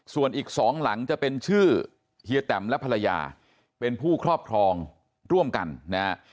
ส่วนอีกสองหลังจะเป็นชื่อเฮียแตมและภรรยาเป็นผู้ครอบครองร่วมกันนะฮะ